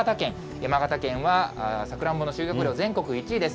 山形県はさくらんぼの収穫量、全国１位です。